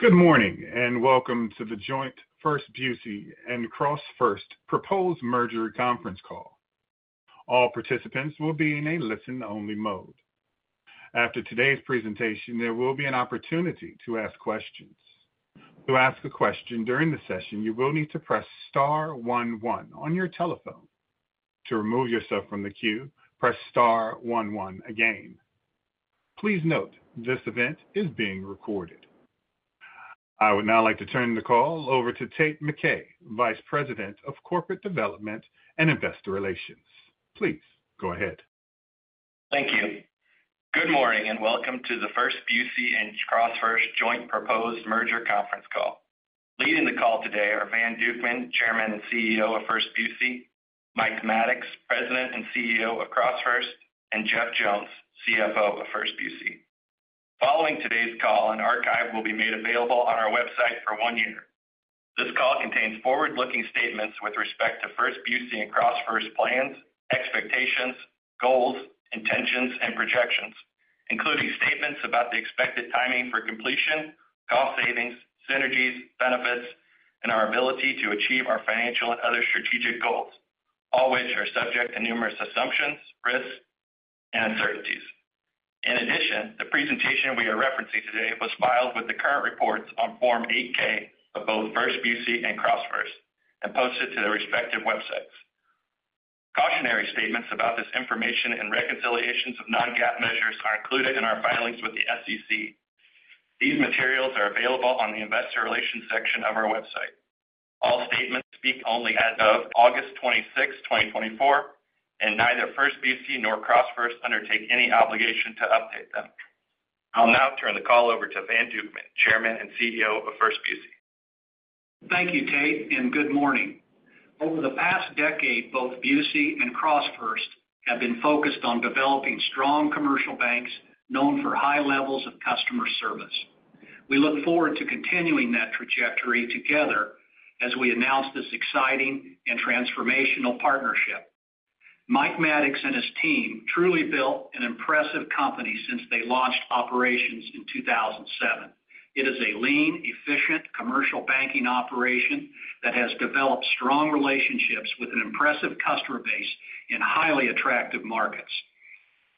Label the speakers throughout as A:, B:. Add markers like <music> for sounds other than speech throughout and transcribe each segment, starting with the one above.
A: Good morning, and welcome to the joint First Busey and CrossFirst Proposed Merger Conference Call. All participants will be in a listen-only mode. After today's presentation, there will be an opportunity to ask questions. To ask a question during the session, you will need to press star one one on your telephone. To remove yourself from the queue, press star one one again. Please note, this event is being recorded. I would now like to turn the call over to Tate McKay, Vice President of Corporate Development and Investor Relations. Please go ahead.
B: Thank you. Good morning, and welcome to the First Busey and CrossFirst joint proposed merger conference call. Leading the call today are Van Dukeman, Chairman and CEO of First Busey, Mike Maddox, President and CEO of CrossFirst, and Jeff Jones, CFO of First Busey. Following today's call, an archive will be made available on our website for one year. This call contains forward-looking statements with respect to First Busey and CrossFirst plans, expectations, goals, intentions, and projections, including statements about the expected timing for completion, cost savings, synergies, benefits, and our ability to achieve our financial and other strategic goals, all which are subject to numerous assumptions, risks, and uncertainties. In addition, the presentation we are referencing today was filed with the current reports on Form 8-K of both First Busey and CrossFirst and posted to their respective websites. Cautionary statements about this information and reconciliations of non-GAAP measures are included in our filings with the SEC. These materials are available on the investor relations section of our website. All statements speak only as of August 26, 2024, and neither First Busey nor CrossFirst undertake any obligation to update them. I'll now turn the call over to Van Dukeman, Chairman and CEO of First Busey.
C: Thank you, Tate, and good morning. Over the past decade, both Busey and CrossFirst have been focused on developing strong commercial banks known for high levels of customer service. We look forward to continuing that trajectory together as we announce this exciting and transformational partnership. Mike Maddox and his team truly built an impressive company since they launched operations in two thousand and seven. It is a lean, efficient commercial banking operation that has developed strong relationships with an impressive customer base in highly attractive markets.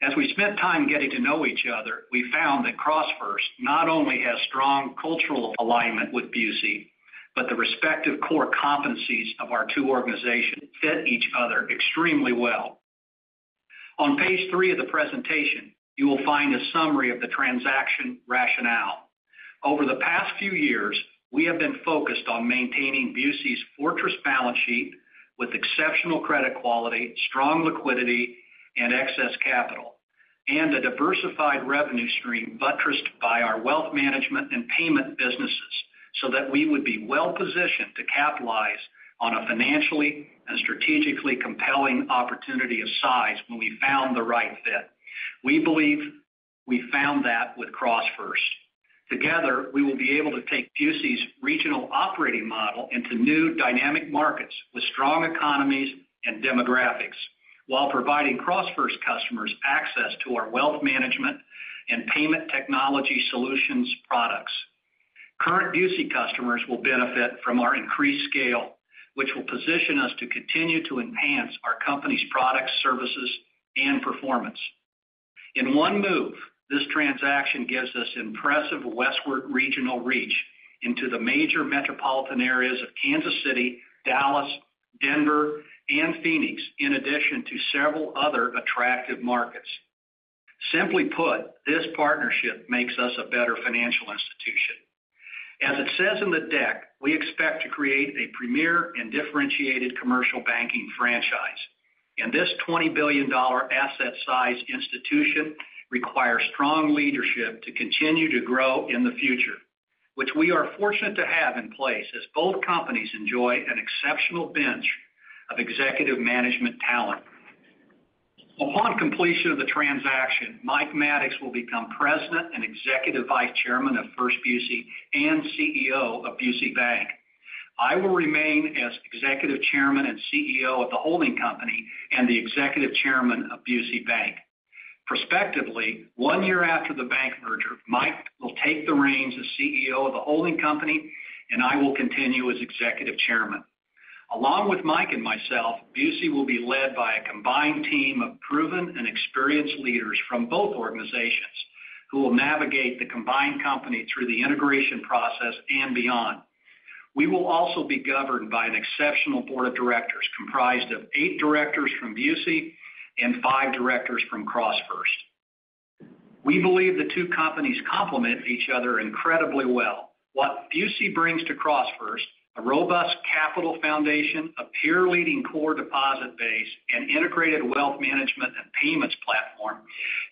C: As we spent time getting to know each other, we found that CrossFirst not only has strong cultural alignment with Busey, but the respective core competencies of our two organizations fit each other extremely well. On page three of the presentation, you will find a summary of the transaction rationale. Over the past few years, we have been focused on maintaining Busey's fortress balance sheet with exceptional credit quality, strong liquidity and excess capital, and a diversified revenue stream buttressed by our wealth management and payment businesses, so that we would be well-positioned to capitalize on a financially and strategically compelling opportunity of size when we found the right fit. We believe we found that with CrossFirst. Together, we will be able to take Busey's regional operating model into new dynamic markets with strong economies and demographics, while providing CrossFirst customers access to our wealth management and payment technology solutions products. Current Busey customers will benefit from our increased scale, which will position us to continue to enhance our company's products, services, and performance. In one move, this transaction gives us impressive westward regional reach into the major metropolitan areas of Kansas City, Dallas, Denver, and Phoenix, in addition to several other attractive markets. Simply put, this partnership makes us a better financial institution. As it says in the deck, we expect to create a premier and differentiated commercial banking franchise, and this $20 billion asset size institution requires strong leadership to continue to grow in the future, which we are fortunate to have in place as both companies enjoy an exceptional bench of executive management talent. Upon completion of the transaction, Mike Maddox will become President and Executive Vice Chairman of First Busey and CEO of Busey Bank. I will remain as Executive Chairman and CEO of the holding company and the Executive Chairman of Busey Bank. Prospectively, one year after the bank merger, Mike will take the reins as CEO of the holding company, and I will continue as Executive Chairman. Along with Mike and myself, Busey will be led by a combined team of proven and experienced leaders from both organizations who will navigate the combined company through the integration process and beyond. We will also be governed by an exceptional Board of Directors, comprised of eight directors from Busey and five directors from CrossFirst. We believe the two companies complement each other incredibly well. What Busey brings to CrossFirst: a robust capital foundation, a peer-leading core deposit base, an integrated wealth management and payments platform,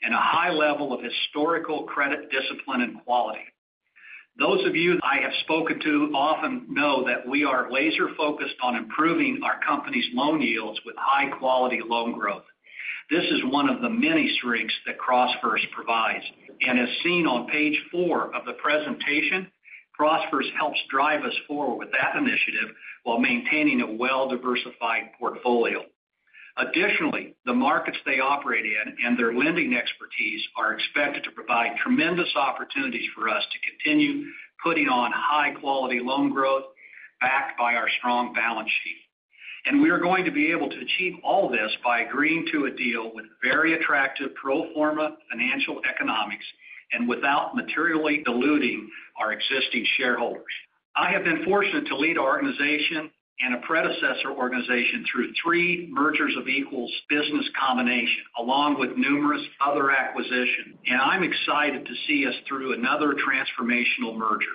C: and a high level of historical credit, discipline, and quality. Those of you I have spoken to often know that we are laser-focused on improving our company's loan yields with high-quality loan growth. This is one of the many strengths that CrossFirst provides, and as seen on page four of the presentation, CrossFirst helps drive us forward with that initiative while maintaining a well-diversified portfolio. Additionally, the markets they operate in and their lending expertise are expected to provide tremendous opportunities for us to continue putting on high-quality loan growth, backed by our strong balance sheet. And we are going to be able to achieve all this by agreeing to a deal with very attractive pro forma financial economics and without materially diluting our existing shareholders. I have been fortunate to lead our organization and a predecessor organization through three mergers of equals business combination, along with numerous other acquisitions, and I'm excited to see us through another transformational merger.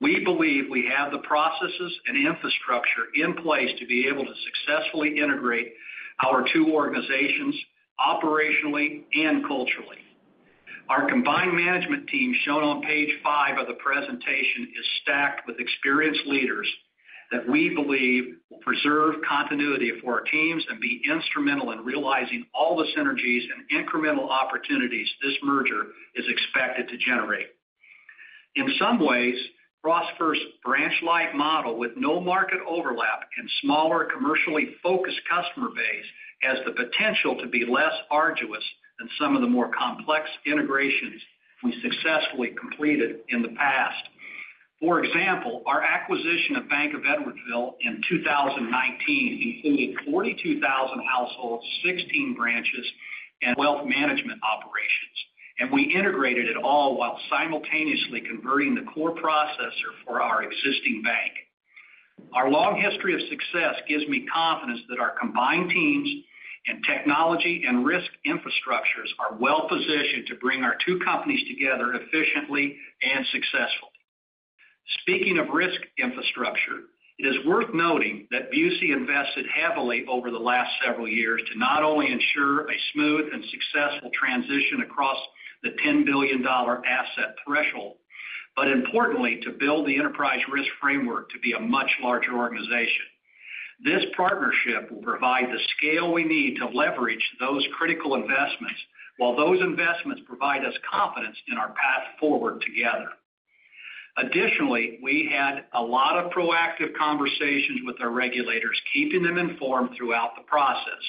C: We believe we have the processes and infrastructure in place to be able to successfully integrate our two organizations operationally and culturally. Our combined management team, shown on page five of the presentation, is stacked with experienced leaders that we believe will preserve continuity for our teams and be instrumental in realizing all the synergies and incremental opportunities this merger is expected to generate. In some ways, CrossFirst's branch-lite model, with no market overlap and smaller, commercially focused customer base, has the potential to be less arduous than some of the more complex integrations we successfully completed in the past. For example, our acquisition of Bank of Edwardsville in 2019 included 42,000 households, 16 branches, and wealth management operations, and we integrated it all while simultaneously converting the core processor for our existing bank. Our long history of success gives me confidence that our combined teams and technology and risk infrastructures are well-positioned to bring our two companies together efficiently and successfully. Speaking of risk infrastructure, it is worth noting that Busey invested heavily over the last several years to not only ensure a smooth and successful transition across the $10 billion asset threshold, but importantly, to build the enterprise risk framework to be a much larger organization. This partnership will provide the scale we need to leverage those critical investments, while those investments provide us confidence in our path forward together. Additionally, we had a lot of proactive conversations with our regulators, keeping them informed throughout the process.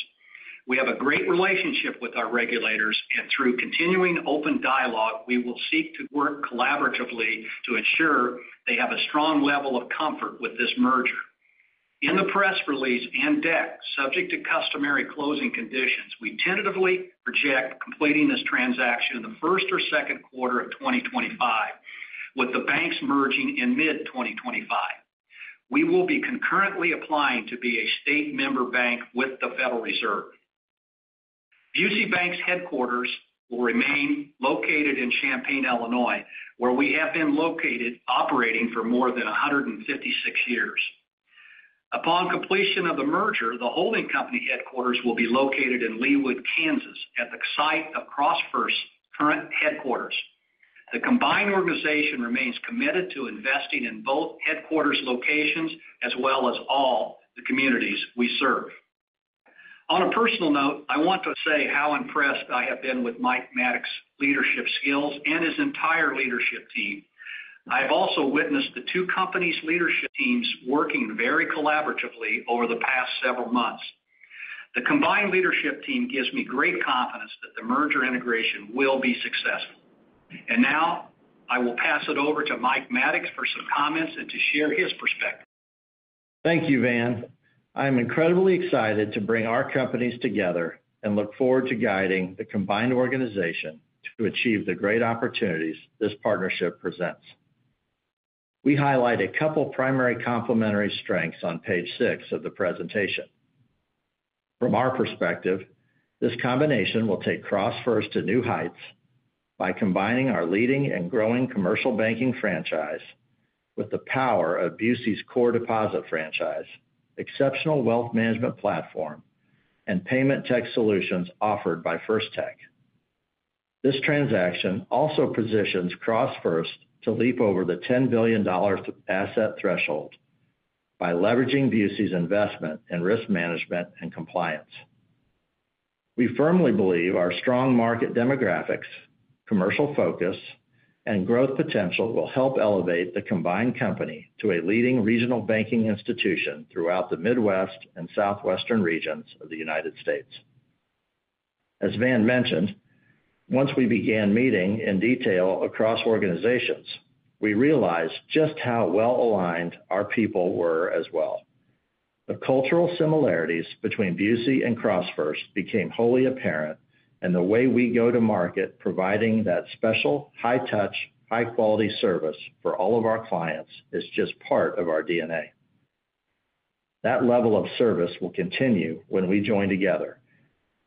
C: We have a great relationship with our regulators, and through continuing open dialogue, we will seek to work collaboratively to ensure they have a strong level of comfort with this merger. In the press release and deck, subject to customary closing conditions, we tentatively project completing this transaction in the first or second quarter of 2025, with the banks merging in mid-2025. We will be concurrently applying to be a state member bank with the Federal Reserve. Busey Bank's headquarters will remain located in Champaign, Illinois, where we have been located operating for more than a hundred and fifty-six years. Upon completion of the merger, the holding company headquarters will be located in Leawood, Kansas, at the site of CrossFirst's current headquarters. The combined organization remains committed to investing in both headquarters locations as well as all the communities we serve. On a personal note, I want to say how impressed I have been with Mike Maddox's leadership skills and his entire leadership team. I've also witnessed the two companies' leadership teams working very collaboratively over the past several months. The combined leadership team gives me great confidence that the merger integration will be successful, and now I will pass it over to Mike Maddox for some comments and to share his perspective.
D: Thank you, Van. I'm incredibly excited to bring our companies together and look forward to guiding the combined organization to achieve the great opportunities this partnership presents. We highlight a couple primary complementary strengths on page 6 of the presentation. From our perspective, this combination will take CrossFirst to new heights by combining our leading and growing commercial banking franchise with the power of Busey's core deposit franchise, exceptional wealth management platform, and payment tech solutions offered by FirsTech. This transaction also positions CrossFirst to leap over the $10 billion asset threshold by leveraging Busey's investment in risk management and compliance. We firmly believe our strong market demographics, commercial focus, and growth potential will help elevate the combined company to a leading regional banking institution throughout the Midwest and Southwestern regions of the United States. As Van mentioned, once we began meeting in detail across organizations, we realized just how well-aligned our people were as well. The cultural similarities between Busey and CrossFirst became wholly apparent, and the way we go to market, providing that special, high-touch, high-quality service for all of our clients is just part of our DNA. That level of service will continue when we join together,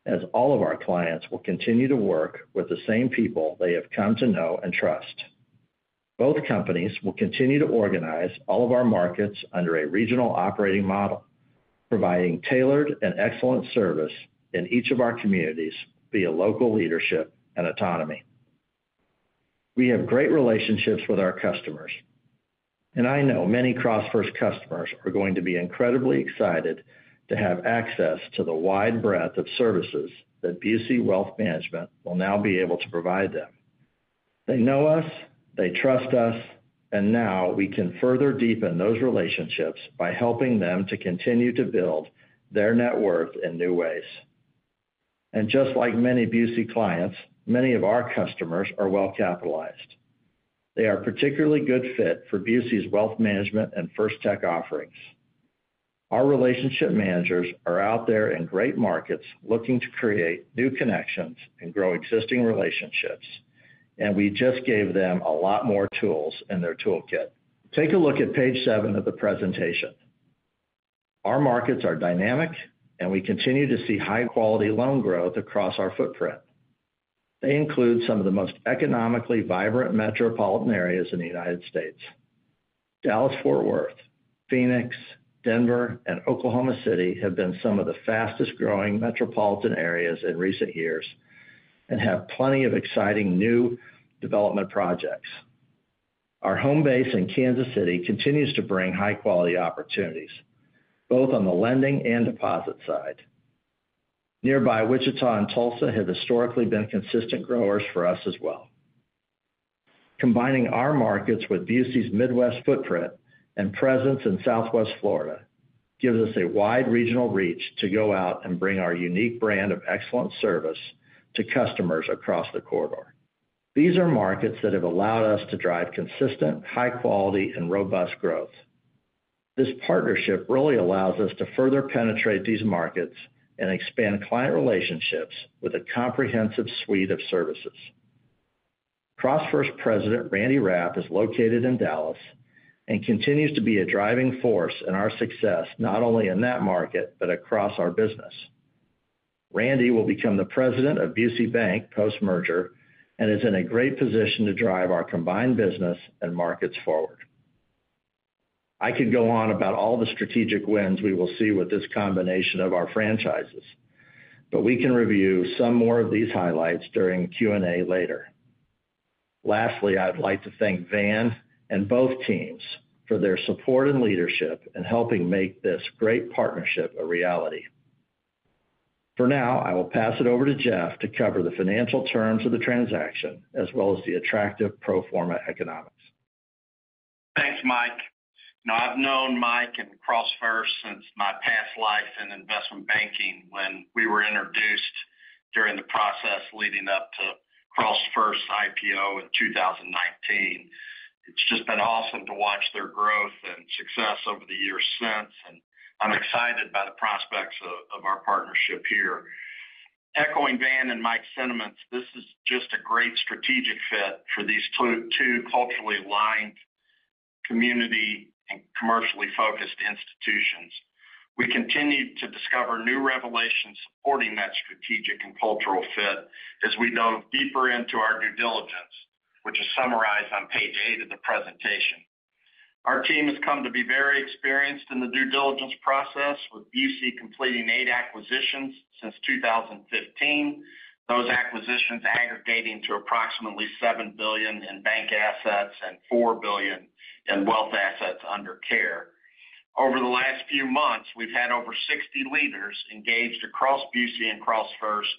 D: as all of our clients will continue to work with the same people they have come to know and trust. Both companies will continue to organize all of our markets under a regional operating model, providing tailored and excellent service in each of our communities via local leadership and autonomy. We have great relationships with our customers, and I know many CrossFirst customers are going to be incredibly excited to have access to the wide breadth of services that Busey Wealth Management will now be able to provide them. They know us, they trust us, and now we can further deepen those relationships by helping them to continue to build their net worth in new ways. And just like many Busey clients, many of our customers are well-capitalized. They are particularly good fit for Busey's wealth management and FirsTech offerings. Our relationship managers are out there in great markets, looking to create new connections and grow existing relationships, and we just gave them a lot more tools in their toolkit. Take a look at page seven of the presentation. Our markets are dynamic, and we continue to see high-quality loan growth across our footprint. They include some of the most economically vibrant metropolitan areas in the United States. Dallas-Fort Worth, Phoenix, Denver, and Oklahoma City have been some of the fastest-growing metropolitan areas in recent years and have plenty of exciting new development projects. Our home base in Kansas City continues to bring high-quality opportunities, both on the lending and deposit side. Nearby Wichita and Tulsa have historically been consistent growers for us as well. Combining our markets with Busey's Midwest footprint and presence in Southwest Florida, gives us a wide regional reach to go out and bring our unique brand of excellent service to customers across the corridor. These are markets that have allowed us to drive consistent, high quality, and robust growth. This partnership really allows us to further penetrate these markets and expand client relationships with a comprehensive suite of services. CrossFirst President, Randy Rapp, is located in Dallas and continues to be a driving force in our success, not only in that market, but across our business. Randy will become the president of Busey Bank post-merger and is in a great position to drive our combined business and markets forward. I could go on about all the strategic wins we will see with this combination of our franchises, but we can review some more of these highlights during Q&A later. Lastly, I'd like to thank Van and both teams for their support and leadership in helping make this great partnership a reality. For now, I will pass it over to Jeff to cover the financial terms of the transaction, as well as the attractive pro forma economics.
E: Thanks, Mike. Now, I've known Mike and CrossFirst since my past life in investment banking, when we were introduced during the process leading up to CrossFirst's IPO in two thousand and nineteen. It's just been awesome to watch their growth and success over the years since, and I'm excited by the prospects of our partnership here. Echoing Van and Mike's sentiments, this is just a great strategic fit for these two culturally aligned community and commercially focused institutions. We continue to discover new revelations supporting that strategic and cultural fit as we delve deeper into our due diligence, which is summarized on page eight of the presentation. Our team has come to be very experienced in the due diligence process, with Busey completing eight acquisitions since two thousand and fifteen. Those acquisitions aggregating to approximately $7 billion in bank assets and $4 billion in wealth assets under care. Over the last few months, we've had over 60 leaders engaged across Busey and CrossFirst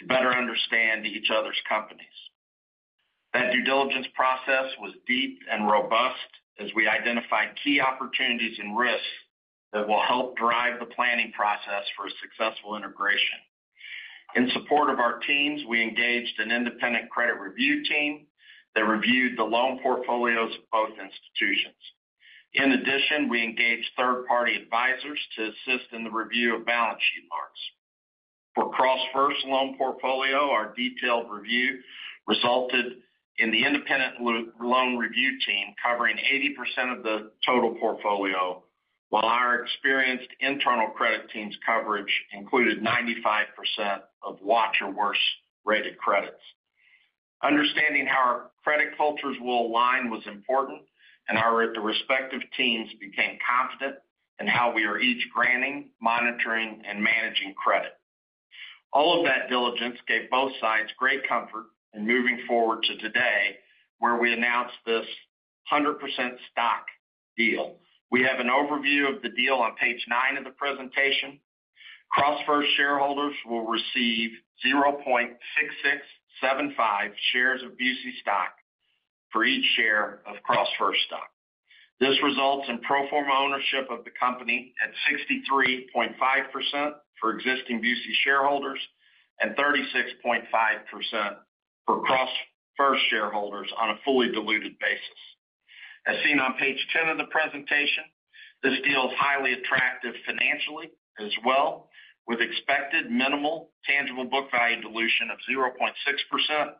E: to better understand each other's companies. That due diligence process was deep and robust as we identified key opportunities and risks that will help drive the planning process for a successful integration. In support of our teams, we engaged an independent credit review team that reviewed the loan portfolios of both institutions. In addition, we engaged third-party advisors to assist in the review of balance sheet marks. For CrossFirst loan portfolio, our detailed review resulted in the independent loan review team covering 80% of the total portfolio, while our experienced internal credit team's coverage included 95% of watch or worse-rated credits. Understanding how our credit cultures will align was important, and our, the respective teams became confident in how we are each granting, monitoring, and managing credit. All of that diligence gave both sides great comfort in moving forward to today, where we announced this 100% stock deal. We have an overview of the deal on page 9 of the presentation. CrossFirst shareholders will receive zero point six six seven five shares of Busey stock for each share of CrossFirst stock. This results in pro forma ownership of the company at 63.5% for existing Busey shareholders and 36.5% for CrossFirst shareholders on a fully diluted basis. As seen on page 10 of the presentation, this deal is highly attractive financially as well, with expected minimal tangible book value dilution of 0.6%-20%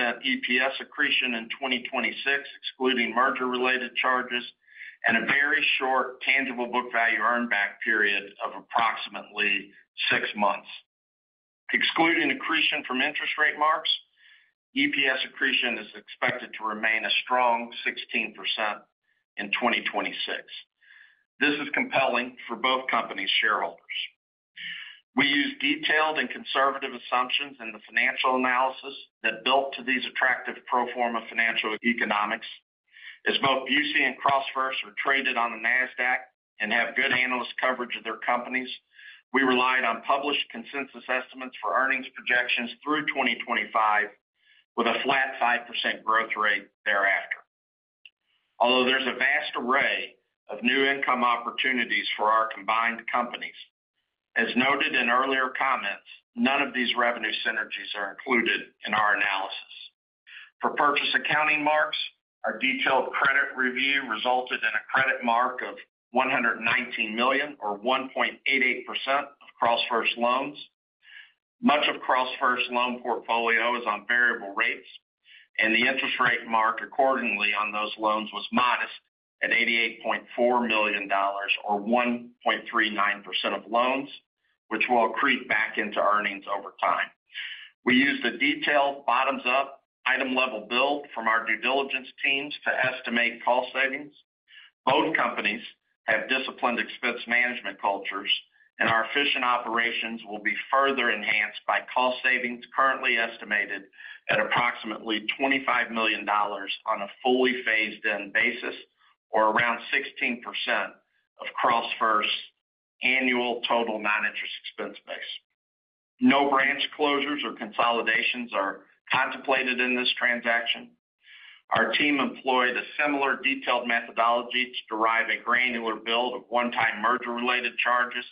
E: EPS accretion in 2026, excluding merger-related charges, and a very short tangible book value earn back period of approximately six months. Excluding accretion from interest rate marks, EPS accretion is expected to remain a strong 16% in 2026. This is compelling for both companies' shareholders. We use detailed and conservative assumptions in the financial analysis that built to these attractive pro forma financial economics. As both BUC and CrossFirst are traded on the NASDAQ and have good analyst coverage of their companies, we relied on published consensus estimates for earnings projections through 2025, with a flat 5% growth rate thereafter. Although there's a vast array of new income opportunities for our combined companies, as noted in earlier comments, none of these revenue synergies are included in our analysis. For purchase accounting marks, our detailed credit review resulted in a credit mark of $119 million, or 1.88% of CrossFirst loans. Much of CrossFirst's loan portfolio is on variable rates, and the interest rate mark accordingly on those loans was modest at $88.4 million, or 1.39% of loans, which will accrete back into earnings over time. We used a detailed bottoms-up item-level build from our due diligence teams to estimate cost savings. Both companies have disciplined expense management cultures, and our efficient operations will be further enhanced by cost savings, currently estimated at approximately $25 million on a fully phased-in basis, or around 16% of CrossFirst's annual total non-interest expense base. No branch closures or consolidations are contemplated in this transaction. Our team employed a similar detailed methodology to derive a granular build of one-time merger-related charges.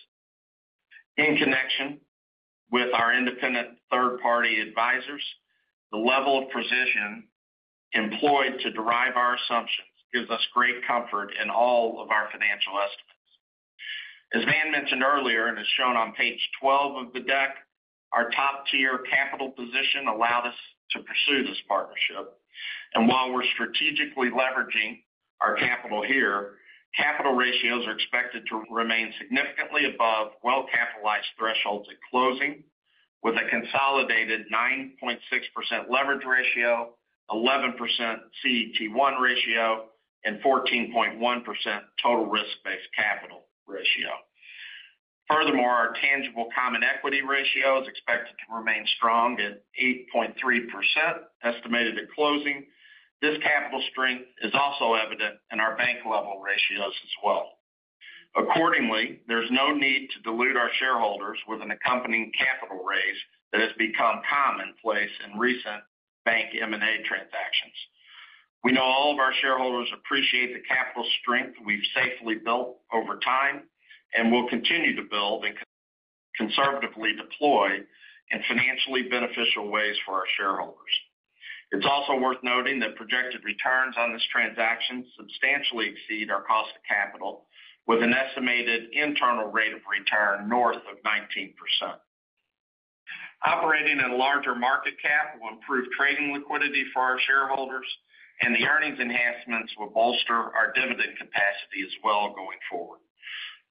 E: In connection with our independent third-party advisors, the level of precision employed to derive our assumptions gives us great comfort in all of our financial estimates. As Van mentioned earlier, and as shown on page 12 of the deck, our top-tier capital position allowed us to pursue this partnership. And while we're strategically leveraging our capital here, capital ratios are expected to remain significantly above well-capitalized thresholds at closing, with a consolidated 9.6% leverage ratio, 11% CET1 ratio, and 14.1% total risk-based capital ratio. Furthermore, our tangible common equity ratio is expected to remain strong at 8.3%, estimated at closing. This capital strength is also evident in our bank-level ratios as well. Accordingly, there's no need to dilute our shareholders with an accompanying capital raise that has become commonplace in recent bank M&A transactions. We know all of our shareholders appreciate the capital strength we've safely built over time, and we'll continue to build and conservatively deploy in financially beneficial ways for our shareholders. It's also worth noting that projected returns on this transaction substantially exceed our cost of capital, with an estimated internal rate of return north of 19%. Operating in a larger market cap will improve trading liquidity for our shareholders, and the earnings enhancements will bolster our dividend capacity as well going forward.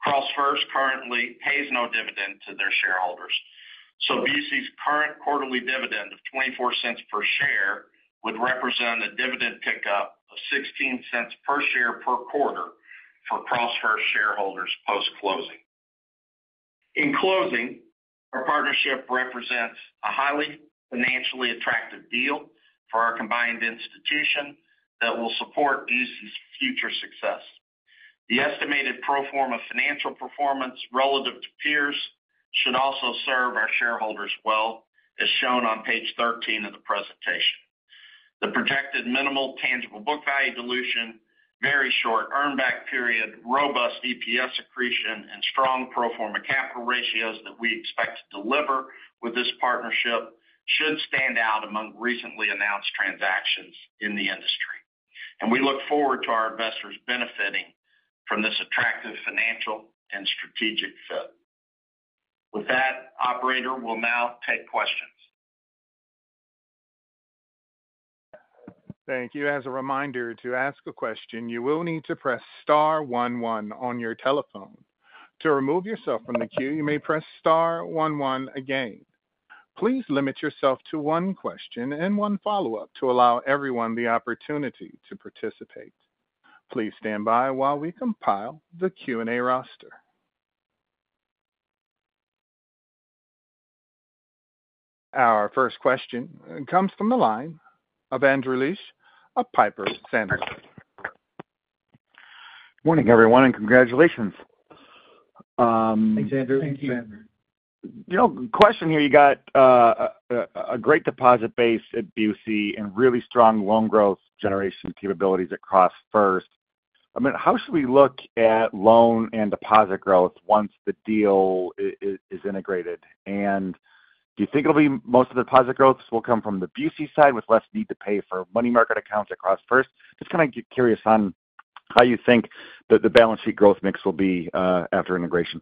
E: CrossFirst currently pays no dividend to their shareholders, so BUC's current quarterly dividend of $0.24 per share would represent a dividend pickup of $0.16 per share per quarter for CrossFirst shareholders post-closing. In closing, our partnership represents a highly financially attractive deal for our combined institution that will support BUC's future success. The estimated pro forma financial performance relative to peers should also serve our shareholders well, as shown on page 13 of the presentation. The projected minimal tangible book value dilution, very short earn back period, robust EPS accretion, and strong pro forma capital ratios that we expect to deliver with this partnership should stand out among recently announced transactions in the industry, and we look forward to our investors benefiting from this attractive financial and strategic fit. With that, operator, we'll now take questions.
A: Thank you. As a reminder, to ask a question, you will need to press star one one on your telephone. To remove yourself from the queue, you may press star one one again. Please limit yourself to one question and one follow-up to allow everyone the opportunity to participate. Please stand by while we compile the Q&A roster. Our first question comes from the line of Andrew Liesch of Piper Sandler.
F: Morning, everyone, and congratulations.
C: Thanks, Andrew.
E: Thank you.
F: You know, question here, you got a great deposit base at BUC and really strong loan growth generation capabilities at CrossFirst. I mean, how should we look at loan and deposit growth once the deal is integrated? And do you think it'll be most of the deposit growth will come from the BUC side, with less need to pay for money market accounts at CrossFirst? Just kind of curious on how you think the balance sheet growth mix will be after integration.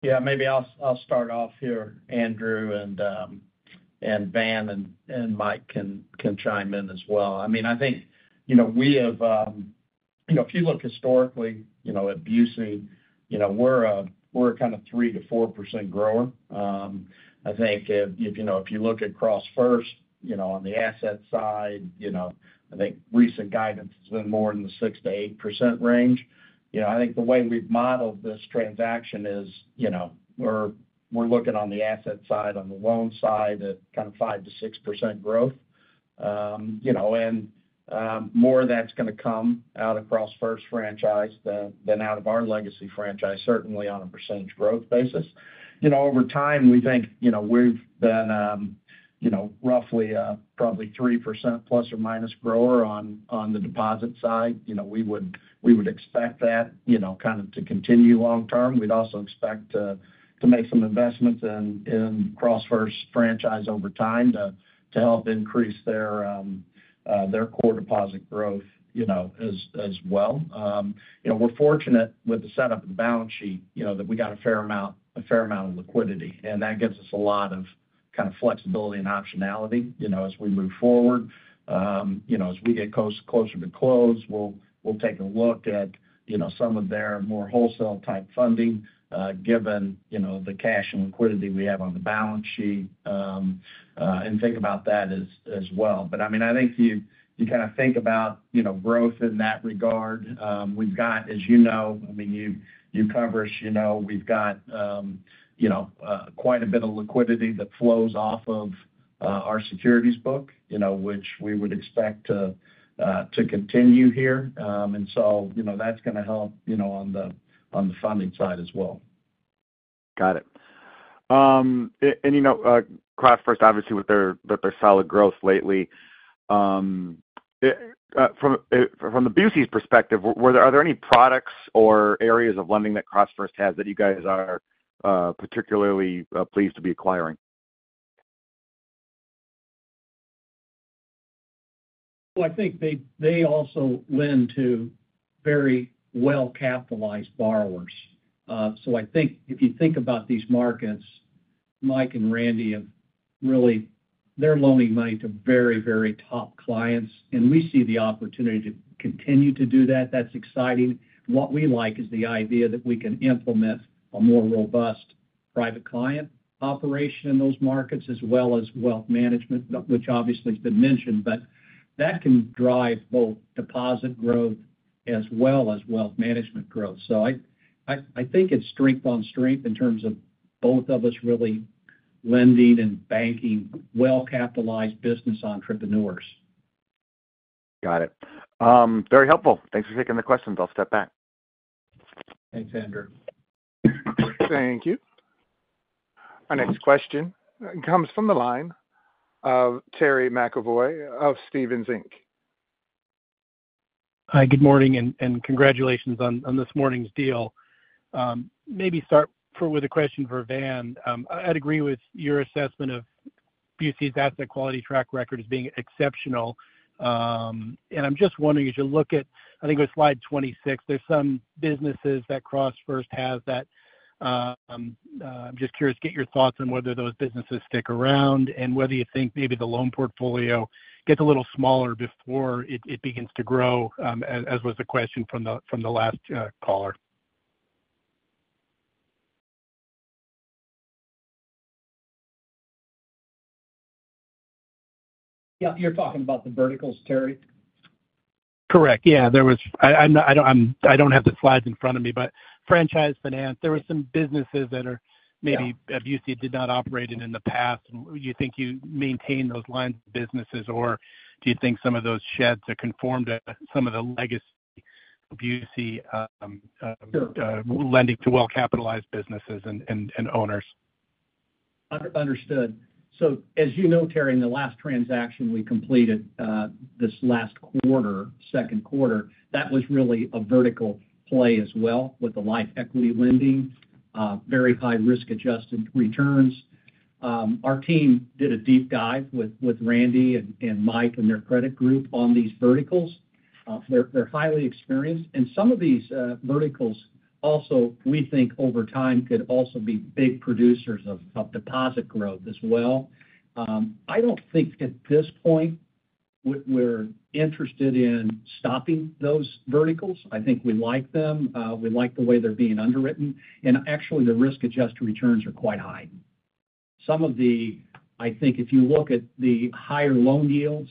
E: Yeah, maybe I'll start off here, Andrew, and Van and Mike can chime in as well. I mean, I think, you know, we have, you know, if you look historically, you know, at BUC, you know, we're a kind of 3%-4% grower. I think if you know, if you look at CrossFirst, you know, on the asset side, you know, I think recent guidance has been more in the 6%-8% range. You know, I think the way we've modeled this transaction is, you know, we're looking on the asset side, on the loan side, at kind of 5%-6% growth. You know, and, more of that's gonna come out across First Busey franchise than out of our legacy franchise, certainly on a percentage growth basis. You know, over time, we think, you know, we've been, you know, roughly, probably 3% plus or minus grower on the deposit side. You know, we would expect that, you know, kind of to continue long term. We'd also expect to make some investments in CrossFirst franchise over time to help increase their core deposit growth, you know, as well. You know, we're fortunate with the setup and balance sheet, you know, that we got a fair amount of liquidity, and that gives us a lot of kind of flexibility and optionality, you know, as we move forward. You know, as we get closer to close, we'll take a look at, you know, some of their more wholesale-type funding, given, you know, the cash and liquidity we have on the balance sheet, and think about that as well. But, I mean, I think you kind of think about, you know, growth in that regard. We've got, as you know, I mean, you cover us, you know, we've got quite a bit of liquidity that flows off of our securities book, you know, which we would expect to continue here. And so, you know, that's gonna help, you know, on the funding side as well.
F: Got it. You know, CrossFirst, obviously, with their solid growth lately, from the Busey's perspective, are there any products or areas of lending that CrossFirst has that you guys are particularly pleased to be acquiring?
C: I think they also lend to very well-capitalized borrowers. I think if you think about these markets, Mike and Randy have really. They're loaning money to very, very top clients, and we see the opportunity to continue to do that. That's exciting. What we like is the idea that we can implement a more robust private client operation in those markets, as well as wealth management, which obviously has been mentioned. That can drive both deposit growth as well as wealth management growth. I think it's strength on strength in terms of both of us really lending and banking well-capitalized business entrepreneurs.
F: Got it. Very helpful. Thanks for taking the questions. I'll step back.
C: Thanks, Andrew.
A: Thank you. Our next question comes from the line of Terry McEvoy of Stephens Inc.
G: Hi, good morning, and congratulations on this morning's deal. Maybe start with a question for Van. I'd agree with your assessment of Busey's asset quality track record as being exceptional. And I'm just wondering, as you look at, I think it was slide 26, there's some businesses that CrossFirst have that, I'm just curious to get your thoughts on whether those businesses stick around and whether you think maybe the loan portfolio gets a little smaller before it begins to grow, as was the question from the last caller.
C: Yeah, you're talking about the verticals, Terry?
G: Correct. Yeah, there was, i don't have the slides in front of me, but franchise finance, there were some businesses that are maybe that Busey did not operate in the past. Do you think you maintain those lines of businesses, or do you think some of those sheds are conformed to some of the legacy of Busey <audio distortion> lending to well-capitalized businesses and owners?
C: Understood. So as you know, Terry, in the last transaction we completed, this last quarter, second quarter, that was really a vertical play as well, with the Life Equity Lending, very high risk-adjusted returns. Our team did a deep dive with Randy and Mike and their credit group on these verticals. They're highly experienced. And some of these verticals also, we think over time, could also be big producers of deposit growth as well. I don't think at this point we're interested in stopping those verticals. I think we like them. We like the way they're being underwritten, and actually, the risk-adjusted returns are quite high. Some of the, I think if you look at the higher loan yields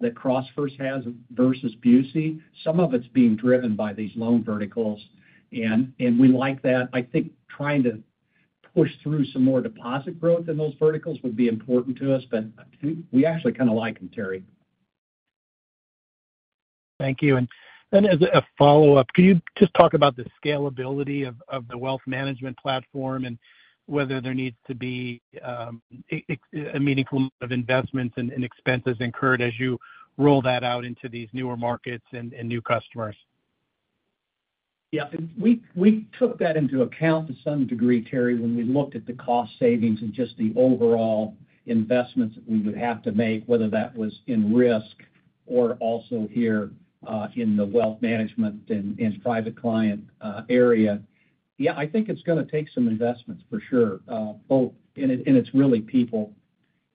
C: that CrossFirst has versus Busey, some of it's being driven by these loan verticals, and we like that. I think trying to push through some more deposit growth in those verticals would be important to us, but we actually kind of like them, Terry.
G: Thank you. And then as a follow-up, can you just talk about the scalability of the wealth management platform and whether there needs to be a meaningful of investments and expenses incurred as you roll that out into these newer markets and new customers?
C: Yeah. We took that into account to some degree, Terry, when we looked at the cost savings and just the overall investments that we would have to make, whether that was in risk or also here in the wealth management and private client area. Yeah, I think it's gonna take some investments, for sure, and it's really people.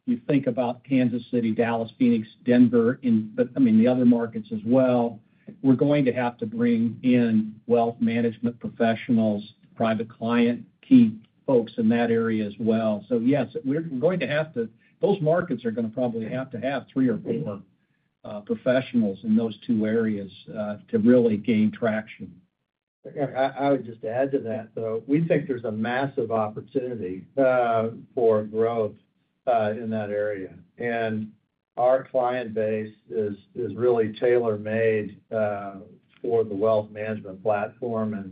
C: You think about Kansas City, Dallas, Phoenix, Denver, and but I mean, the other markets as well, we're going to have to bring in wealth management professionals, private client, key folks in that area as well. So yes, those markets are gonna probably have to have three or four professionals in those two areas to really gain traction.
D: I would just add to that, though, we think there's a massive opportunity for growth in that area. And our client base is really tailor-made for the wealth management platform. And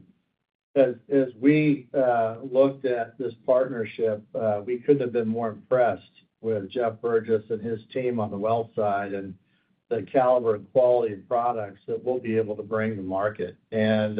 D: as we looked at this partnership, we couldn't have been more impressed with Jeff Burgess and his team on the wealth side, and the caliber and quality of products that we'll be able to bring to market. And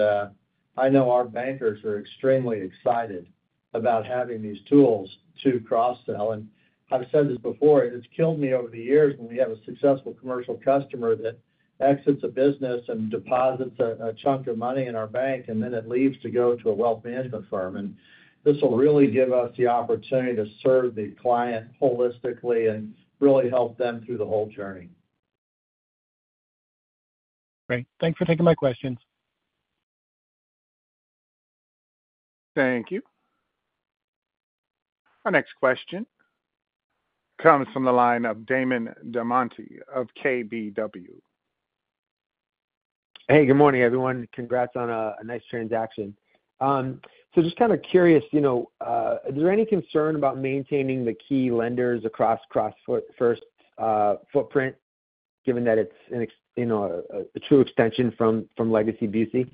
D: I know our bankers are extremely excited about having these tools to cross-sell. And I've said this before, it's killed me over the years when we have a successful commercial customer that exits a business and deposits a chunk of money in our bank, and then it leaves to go to a wealth management firm. This will really give us the opportunity to serve the client holistically and really help them through the whole journey.
G: Great. Thanks for taking my questions.
A: Thank you. Our next question comes from the line of Damon DelMonte of KBW.
H: Hey, good morning, everyone. Congrats on a nice transaction. So just kind of curious, you know, is there any concern about maintaining the key lenders across CrossFirst footprint, given that it's a true extension from Legacy Busey?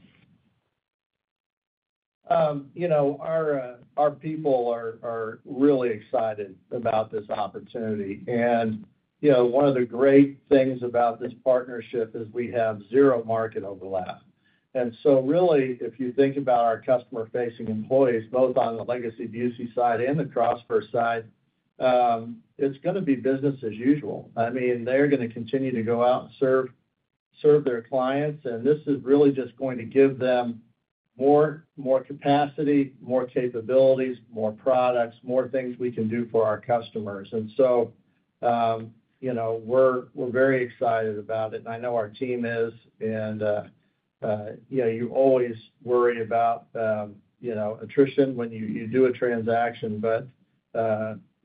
C: You know, our people are really excited about this opportunity, and you know, one of the great things about this partnership is we have zero market overlap, and so really, if you think about our customer-facing employees, both on the legacy Busey side and the CrossFirst side, it's gonna be business as usual. I mean, they're gonna continue to go out and serve their clients, and this is really just going to give them more capacity, more capabilities, more products, more things we can do for our customers, and so, you know, we're very excited about it, and I know our team is, and you know, you always worry about attrition when you do a transaction, but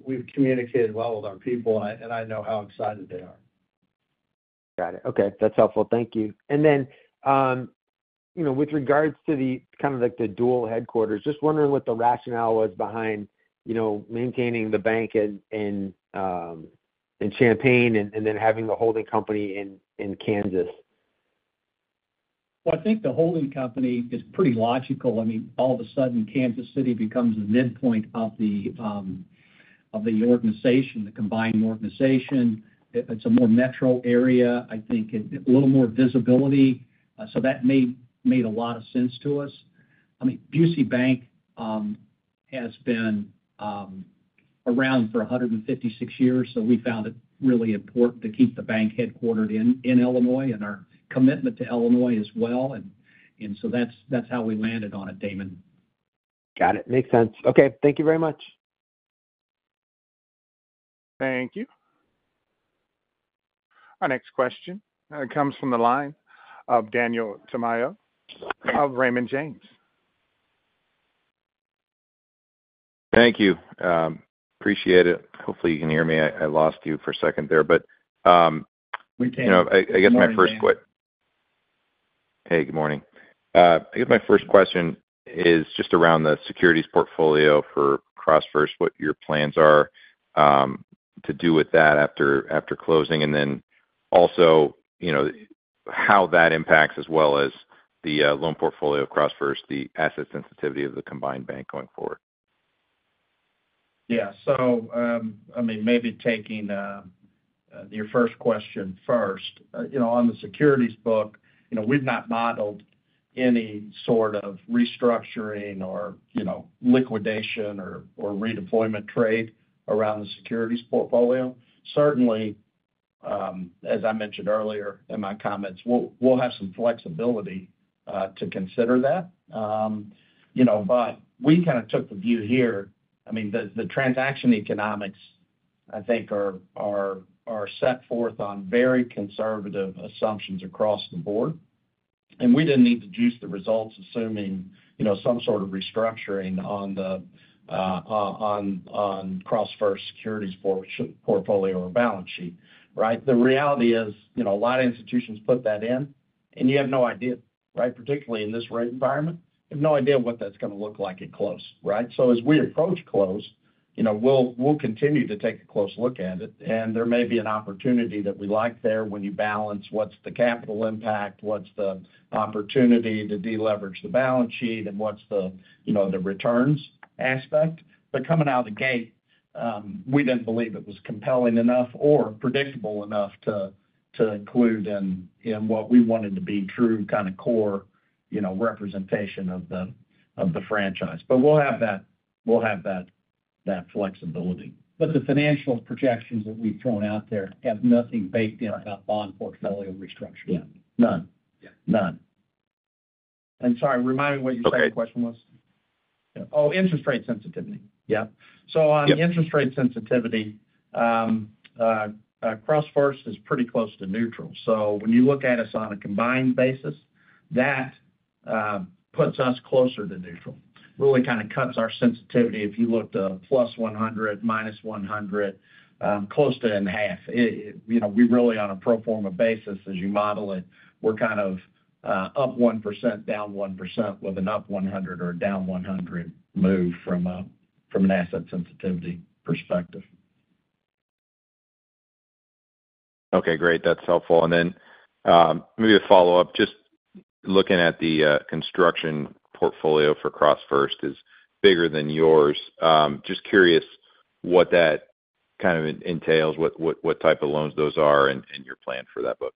C: we've communicated well with our people, and I know how excited they are.
H: Got it. Okay, that's helpful. Thank you. And then, you know, with regards to the kind of like the dual headquarters, just wondering what the rationale was behind, you know, maintaining the bank in Champaign and then having the holding company in Kansas?
C: I think the holding company is pretty logical. I mean, all of a sudden, Kansas City becomes the midpoint of the organization, the combined organization. It's a more metro area, I think. A little more visibility. So that made a lot of sense to us. I mean, Busey Bank has been around for a 156 years, so we found it really important to keep the bank headquartered in Illinois, and our commitment to Illinois as well. And so that's how we landed on it, Damon.
H: Got it. Makes sense. Okay, thank you very much.
A: Thank you. Our next question comes from the line of Daniel Tamayo of Raymond James.
I: Thank you. Appreciate it. Hopefully, you can hear me. I lost you for a second there, but we <audio distortion>
D: Good morning.
I: Hey, good morning. I guess my first question is just around the securities portfolio for CrossFirst, what your plans are to do with that after closing, and then also, you know, how that impacts, as well as the loan portfolio of CrossFirst, the asset sensitivity of the combined bank going forward.
D: Yeah. I mean, maybe taking your first question first. You know, on the securities book, you know, we've not modeled any sort of restructuring or, you know, liquidation or redeployment trade around the securities portfolio. Certainly, as I mentioned earlier in my comments, we'll have some flexibility to consider that. You know, but we kind of took the view here. I mean, the transaction economics, I think, are set forth on very conservative assumptions across the board, and we didn't need to juice the results, assuming, you know, some sort of restructuring on the CrossFirst securities portfolio or balance sheet, right? The reality is, you know, a lot of institutions put that in, and you have no idea, right? Particularly in this rate environment, you have no idea what that's gonna look like at close, right? So as we approach close, you know, we'll continue to take a close look at it, and there may be an opportunity that we like there when you balance what's the capital impact, what's the opportunity to deleverage the balance sheet, and what's the, you know, the returns aspect. But coming out of the gate, we didn't believe it was compelling enough or predictable enough to include in what we wanted to be true, kind of core, you know, representation of the franchise. But we'll have that flexibility.
C: But the financial projections that we've thrown out there have nothing baked in about bond portfolio restructuring.
D: Yeah. None.
C: Yeah.
D: None.
C: Sorry, remind me what your second question was.
I: Okay.
C: Oh, interest rate sensitivity. Yeah.
I: Yep.
C: So on interest rate sensitivity, CrossFirst is pretty close to neutral. So when you look at us on a combined basis, that puts us closer to neutral. Really kind of cuts our sensitivity if you looked at +100, -100, close to in half. It, you know, we really, on a pro forma basis, as you model it, we're kind of up 1%, down 1% with an up 100 or down 100 move from an asset sensitivity perspective.
I: Okay, great. That's helpful. And then, maybe to follow up, just looking at the construction portfolio for CrossFirst is bigger than yours. Just curious what that kind of entails, what type of loans those are, and your plan for that book?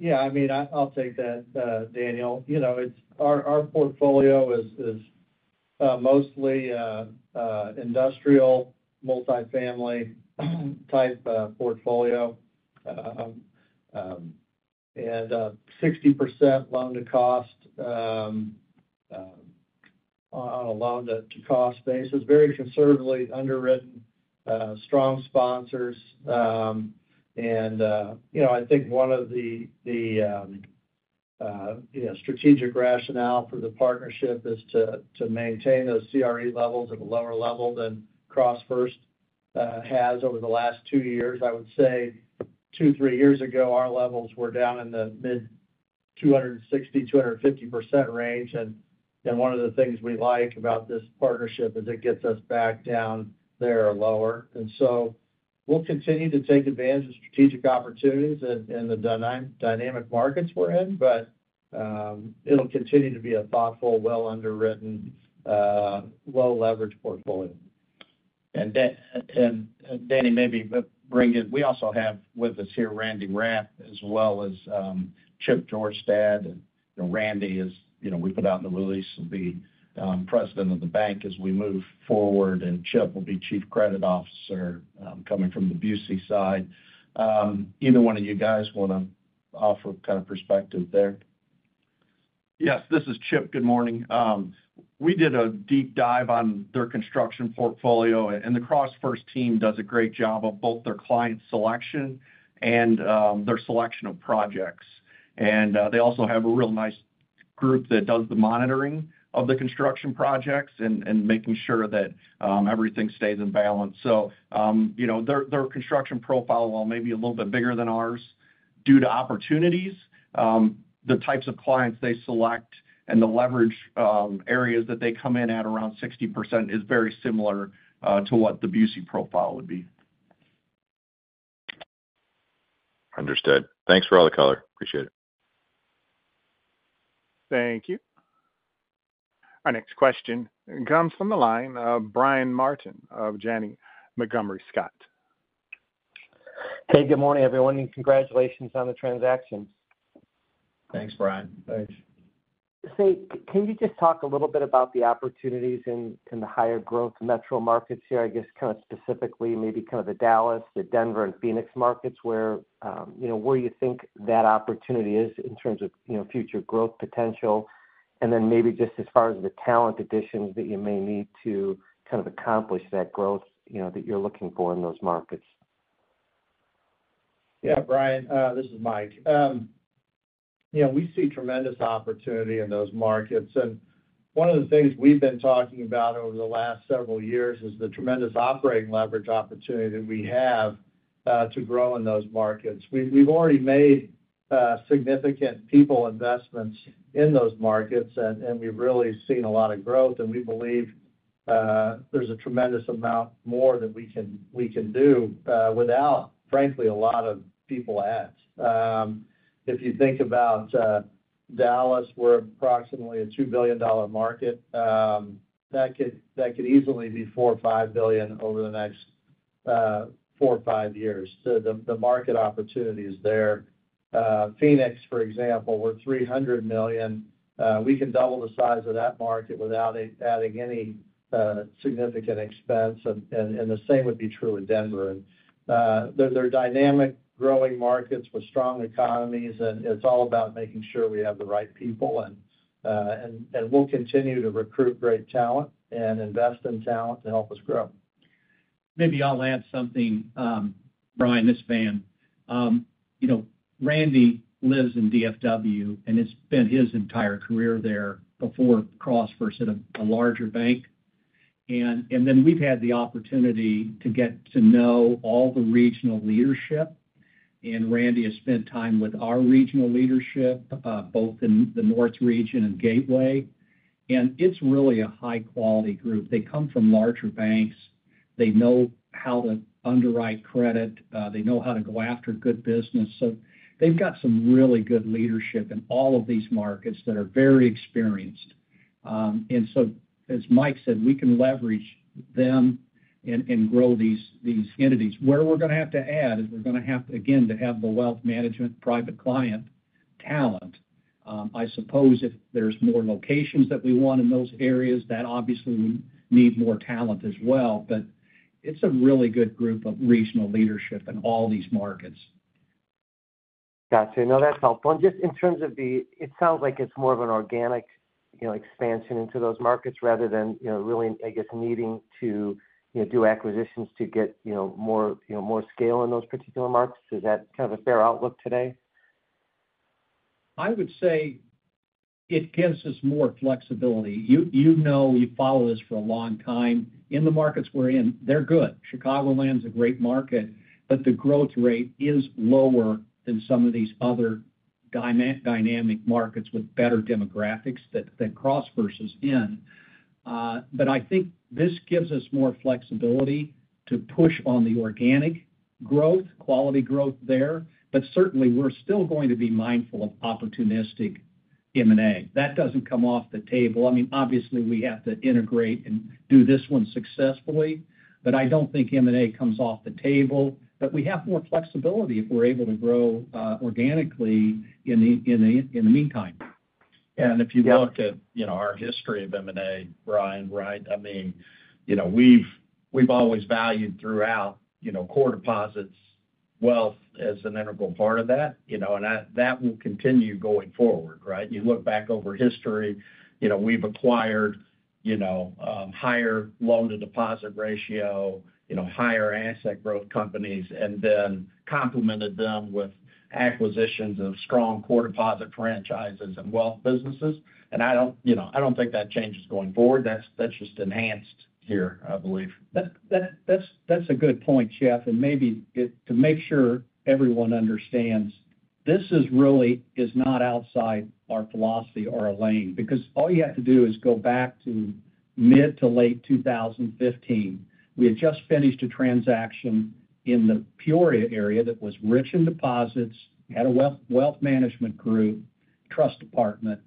D: Yeah, I mean, I'll take that, Daniel. You know, it's our portfolio is mostly industrial, multifamily type portfolio. 60% loan-to-cost on a loan-to-cost basis, very conservatively underwritten, strong sponsors. You know, I think one of the strategic rationale for the partnership is to maintain those CRE levels at a lower level than CrossFirst has over the last two years. I would say two, three years ago, our levels were down in the mid-260, 250% range. One of the things we like about this partnership is it gets us back down there or lower. And so we'll continue to take advantage of strategic opportunities in the dynamic markets we're in, but it'll continue to be a thoughtful, well underwritten, low-leverage portfolio.
C: And, Danny, maybe bring it. We also have with us here Randy Rapp, as well as Chip Jorstad. And Randy is, you know, we put out in the release, will be president of the bank as we move forward, and Chip will be Chief Credit Officer coming from the Busey side. Either one of you guys want to offer kind of perspective there?
J: Yes, this is Chip. Good morning. We did a deep dive on their construction portfolio, and the CrossFirst team does a great job of both their client selection and their selection of projects. And they also have a real nice group that does the monitoring of the construction projects and making sure that everything stays in balance. So you know, their construction profile, while maybe a little bit bigger than ours, due to opportunities, the types of clients they select and the leverage areas that they come in at around 60% is very similar to what the Busey profile would be.
I: Understood. Thanks for all the color. Appreciate it.
A: Thank you. Our next question comes from the line of Brian Martin of Janney Montgomery Scott.
K: Hey, good morning, everyone, and congratulations on the transactions.
C: Thanks, Brian.
D: Thanks.
K: Say, can you just talk a little bit about the opportunities in the higher growth metro markets here, I guess, kind of specifically, maybe kind of the Dallas, the Denver, and Phoenix markets, where, you know, where you think that opportunity is in terms of, you know, future growth potential? And then maybe just as far as the talent additions that you may need to kind of accomplish that growth, you know, that you're looking for in those markets.
D: Yeah, Brian, this is Mike. You know, we see tremendous opportunity in those markets. And one of the things we've been talking about over the last several years is the tremendous operating leverage opportunity that we have to grow in those markets. We've already made significant people investments in those markets, and we've really seen a lot of growth, and we believe there's a tremendous amount more that we can do without, frankly, a lot of people adds. If you think about Dallas, we're approximately a $2 billion market that could easily be $4 billion to $5 billion over the next four or five years. So the market opportunity is there. Phoenix, for example, we're $300 million. We can double the size of that market without adding any significant expense, and the same would be true in Denver. They're dynamic, growing markets with strong economies, and it's all about making sure we have the right people. We'll continue to recruit great talent and invest in talent to help us grow.
C: Maybe I'll add something, Brian, this is Van. You know, Randy lives in DFW and has spent his entire career there before CrossFirst in a larger bank. And then we've had the opportunity to get to know all the regional leadership, and Randy has spent time with our regional leadership, both in the North region and Gateway. And it's really a high-quality group. They come from larger banks. They know how to underwrite credit. They know how to go after good business. So they've got some really good leadership in all of these markets that are very experienced. And so, as Mike said, we can leverage them and grow these entities. Where we're going to have to add is we're going to have, again, to have the wealth management, private client talent. I suppose if there's more locations that we want in those areas, that obviously would need more talent as well, but it's a really good group of regional leadership in all these markets.
K: Gotcha. No, that's helpful. And just in terms of the, it sounds like it's more of an organic, you know, expansion into those markets rather than, you know, really, I guess, needing to, you know, do acquisitions to get, you know, more, you know, more scale in those particular markets. Is that kind of a fair outlook today?
C: I would say it gives us more flexibility. You know, you've followed us for a long time. In the markets we're in, they're good. Chicagoland is a great market, but the growth rate is lower than some of these other dynamic markets with better demographics that CrossFirst is in. But I think this gives us more flexibility to push on the organic growth, quality growth there. But certainly, we're still going to be mindful of opportunistic M&A. That doesn't come off the table. I mean, obviously, we have to integrate and do this one successfully, but I don't think M&A comes off the table. But we have more flexibility if we're able to grow organically in the meantime.
J: And if you look at, you know, our history of M&A, Brian, right? I mean, you know, we've always valued throughout, you know, core deposits, wealth as an integral part of that, you know, and that will continue going forward, right? You look back over history, you know, we've acquired, you know, higher loan-to-deposit ratio, you know, higher asset growth companies, and then complemented them with acquisitions of strong core deposit franchises and wealth businesses. And I don't, you know, I don't think that changes going forward. That's just enhanced here, I believe.
C: That's a good point, Chip. And maybe to make sure everyone understands, this is really not outside our philosophy or our lane, because all you have to do is go back to mid to late 2015. We had just finished a transaction in the Peoria area that was rich in deposits, had a wealth management group, trust department,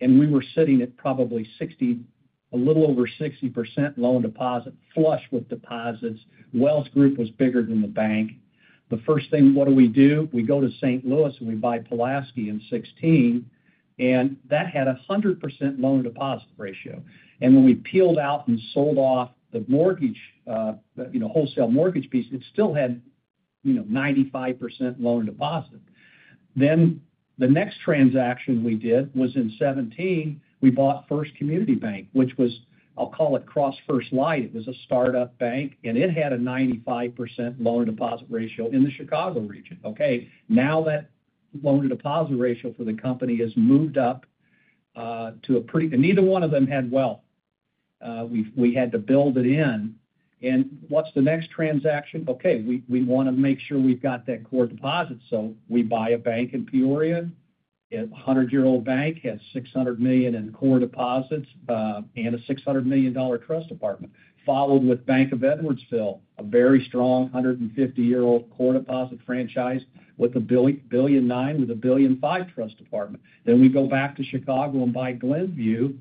C: and we were sitting at probably 60, a little over 60% loan deposit, flush with deposits. Wealth group was bigger than the bank. The first thing, what do we do? We go to St. Louis, and we buy Pulaski in 2016, and that had a 100% loan deposit ratio. And when we peeled out and sold off the mortgage, you know, wholesale mortgage piece, it still had, you know, 95% loan deposit. Then, the next transaction we did was in 2017. We bought First Community Bank, which was, I'll call it, CrossFirst Light. It was a startup bank, and it had a 95% loan-to-deposit ratio in the Chicago region. Okay, now that loan-to-deposit ratio for the company has moved up to a pretty and neither one of them had wealth. We had to build it in. And what's the next transaction? Okay, we wanna make sure we've got that core deposit, so we buy a bank in Peoria. A 100-year-old bank, has $600 million in core deposits, and a $600 million trust department, followed with Bank of Edwardsville, a very strong, 150-year-old core deposit franchise with a $1.9 billion, with a $1.5 billion trust department. Then we go back to Chicago and buy Glenview,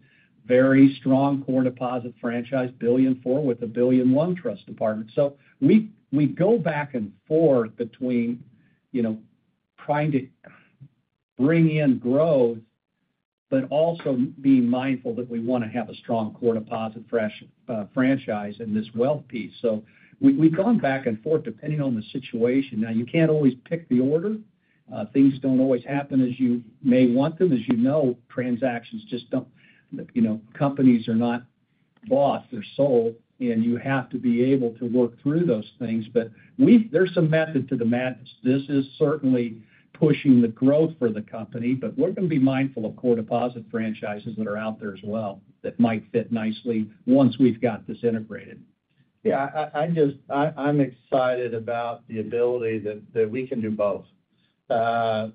C: very strong core deposit franchise, $1.4 billion with a $1.1 billion trust department. So we go back and forth between, you know, trying to bring in growth, but also being mindful that we wanna have a strong core deposit franchise in this wealth piece. So we, we've gone back and forth, depending on the situation. Now, you can't always pick the order. Things don't always happen as you may want them. As you know, transactions just don't, you know, companies are not bought, they're sold, and you have to be able to work through those things. But there's some method to the madness. This is certainly pushing the growth for the company, but we're gonna be mindful of core deposit franchises that are out there as well, that might fit nicely once we've got this integrated.
D: Yeah, I'm just excited about the ability that we can do both.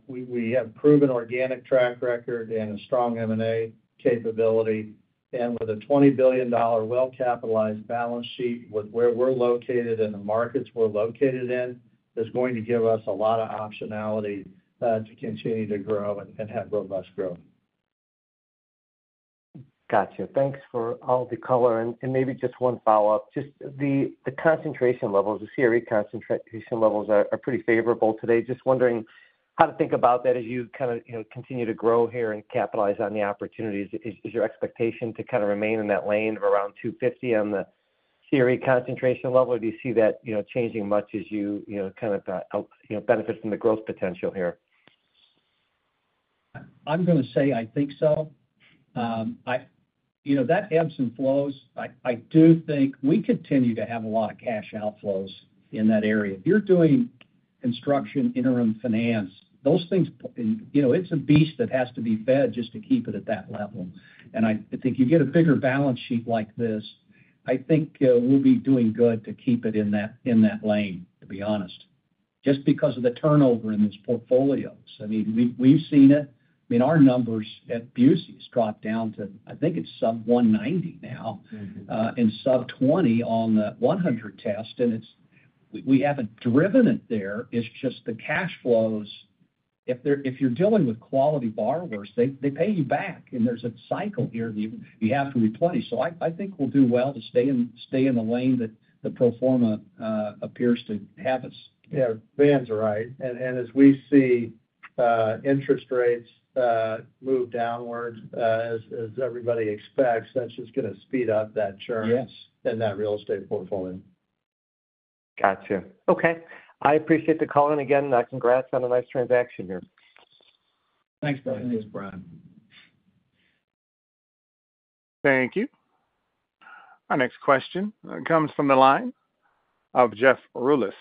D: We have proven organic track record and a strong M&A capability. And with a $20 billion well-capitalized balance sheet, with where we're located and the markets we're located in, is going to give us a lot of optionality to continue to grow and have robust growth.
K: Gotcha. Thanks for all the color. And maybe just one follow-up. Just the concentration levels, the CRE concentration levels are pretty favorable today. Just wondering how to think about that as you kind of, you know, continue to grow here and capitalize on the opportunities. Is your expectation to kind of remain in that lane of around two fifty on the CRE concentration level, or do you see that, you know, changing much as you, you know, kind of benefit from the growth potential here?
C: I'm gonna say I think so. You know, that ebbs and flows. I do think we continue to have a lot of cash outflows in that area. If you're doing construction, interim finance, those things, you know, it's a beast that has to be fed just to keep it at that level. And I think you get a bigger balance sheet like this, I think, we'll be doing good to keep it in that, in that lane, to be honest, just because of the turnover in these portfolios. I mean, we've seen it. I mean, our numbers at Busey has dropped down to, I think it's sub-190 now. And sub-20 on the 100 test, and it's. We haven't driven it there. It's just the cash flows. If they're, if you're dealing with quality borrowers, they pay you back, and there's a cycle here that you have to replenish. So I think we'll do well to stay in the lane that the pro forma appears to have us.
D: Yeah, Van's right. And as we see, interest rates move downwards, as everybody expects, that's just gonna speed up that <audio distortion>
C: Yes
D: in that real estate portfolio.
K: Gotcha. Okay, I appreciate the call in again, and congrats on a nice transaction here.
D: Thanks, Brian.
A: Thank you. Our next question comes from the line of Jeff Rulis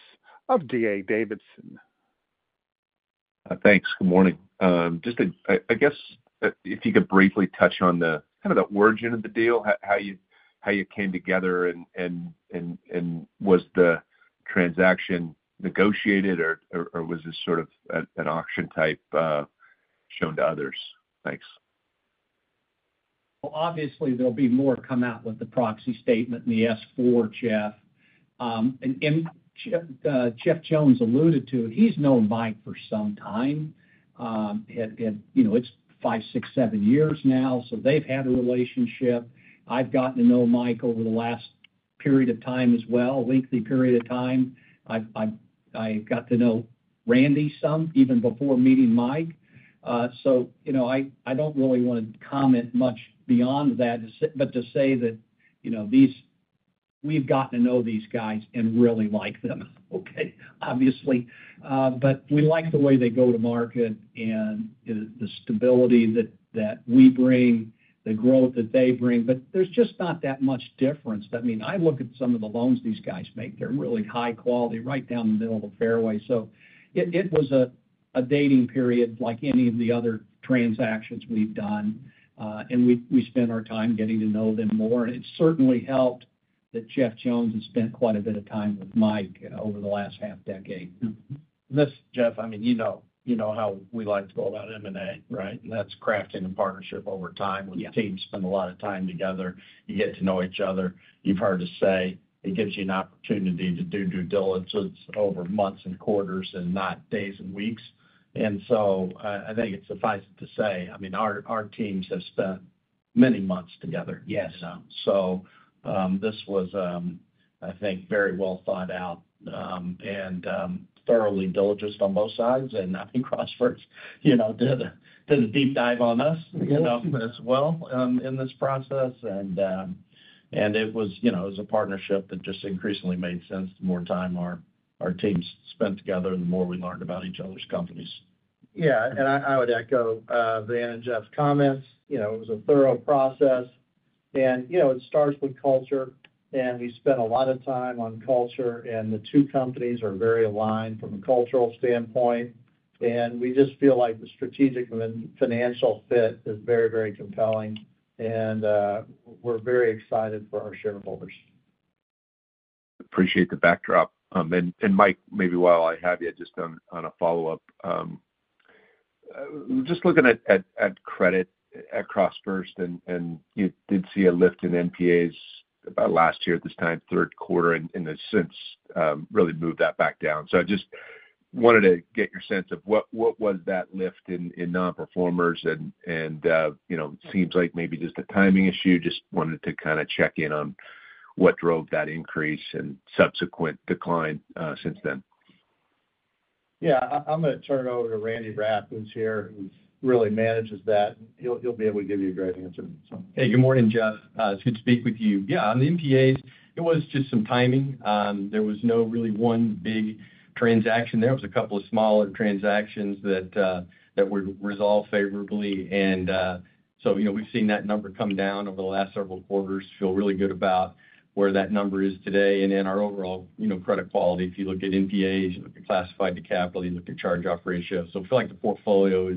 A: of D.A. Davidson.
L: Thanks. Good morning. Just to, I guess, if you could briefly touch on the kind of the origin of the deal, how you came together and was the transaction negotiated or was this sort of an auction type shown to others? Thanks.
C: Obviously, there'll be more to come out with the proxy statement and the S-4, Jeff. And Jeff Jones alluded to it. He's known Mike for some time. You know, it's five, six, seven years now, so they've had a relationship. I've gotten to know Mike over the last period of time as well, a lengthy period of time. I've got to know Randy some, even before meeting Mike. So, you know, I don't really want to comment much beyond that, but to say that, you know, these, we've gotten to know these guys and really like them, okay? Obviously. But we like the way they go to market and the stability that we bring, the growth that they bring, but there's just not that much difference. I mean, I look at some of the loans these guys make, they're really high quality, right down the middle of the fairway. So it was a dating period like any of the other transactions we've done, and we spent our time getting to know them more. And it certainly helped that Jeff Jones has spent quite a bit of time with Mike over the last half decade.
D: This, Jeff, I mean, you know, you know how we like to go about M&A, right? And that's crafting a partnership over time.
L: Yeah.
D: When the team spends a lot of time together, you get to know each other. You've heard us say it gives you an opportunity to do due diligence over months and quarters, and not days and weeks. So, I think it suffices to say, I mean, our teams have spent many months together.
L: Yes.
D: So, this was, I think, very well thought out, and thoroughly diligent on both sides, and I think CrossFirst, you know, did a deep dive on us, you know, as well, in this process. And it was, you know, it was a partnership that just increasingly made sense the more time our teams spent together and the more we learned about each other's companies. Yeah, and I would echo Van and Jeff's comments. You know, it was a thorough process, and, you know, it starts with culture, and we spent a lot of time on culture, and the two companies are very aligned from a cultural standpoint. And we just feel like the strategic and then financial fit is very, very compelling, and, we're very excited for our shareholders.
L: Appreciate the backdrop, and Mike, maybe while I have you just on a follow-up, just looking at credit at CrossFirst, and you did see a lift in NPAs about last year at this time, third quarter, and has since really moved that back down. So I just wanted to get your sense of what was that lift in non-performers, and you know, seems like maybe just a timing issue. Just wanted to kinda check in on what drove that increase and subsequent decline since then.
D: Yeah, I'm gonna turn it over to Randy Rapp, who's here, who really manages that. He'll be able to give you a great answer, so.
M: Hey, good morning, Jeff. It's good to speak with you. Yeah, on the NPAs, it was just some timing. There was no really one big transaction there. It was a couple of smaller transactions that were resolved favorably. And so, you know, we've seen that number come down over the last several quarters. I feel really good about where that number is today and in our overall, you know, credit quality, if you look at NPAs, you look at classified to capital, you look at charge-off ratio. So I feel like the portfolio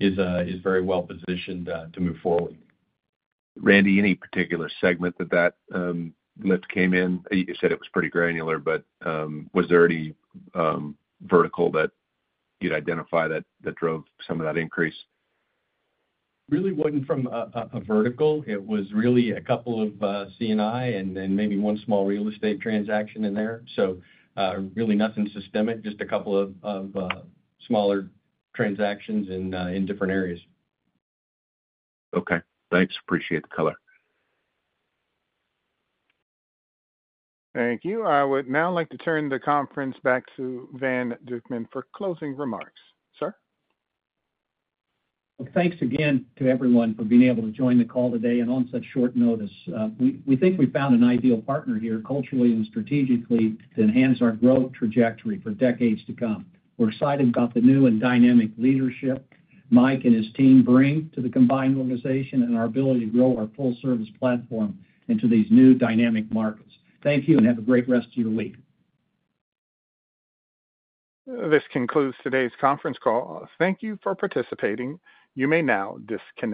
M: is very well positioned to move forward.
L: Randy, any particular segment that lift came in? You said it was pretty granular, but, was there any vertical that you'd identify that drove some of that increase?
M: Really wasn't from a vertical. It was really a couple of C&I and maybe one small real estate transaction in there. So, really nothing systemic, just a couple of smaller transactions in different areas.
L: Okay. Thanks. Appreciate the color.
A: Thank you. I would now like to turn the conference back to Van Dukeman for closing remarks. Sir?
C: Thanks again to everyone for being able to join the call today and on such short notice. We think we've found an ideal partner here, culturally and strategically, to enhance our growth trajectory for decades to come. We're excited about the new and dynamic leadership Mike and his team bring to the combined organization and our ability to grow our full service platform into these new dynamic markets. Thank you, and have a great rest of your week.
A: This concludes today's conference call. Thank you for participating. You may now disconnect.